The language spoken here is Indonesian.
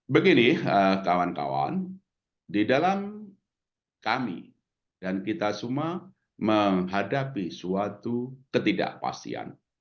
begini kawan kawan di dalam kami dan kita semua menghadapi suatu ketidakpastian